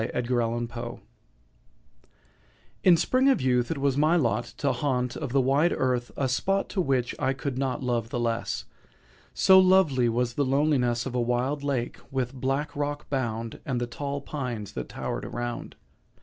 THE LAKE —— TO—— In spring of youth it was my lot To haunt of the wide earth a spot The which I could not love the less— So lovely was the loneliness Of a wild lake, with black rock bound, And the tall pines that tower'd around.